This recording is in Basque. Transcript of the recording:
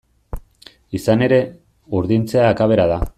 Izan ere, urdintzea akabera da.